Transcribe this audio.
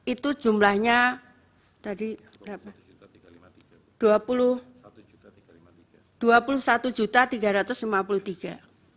itu jumlahnya tadi berapa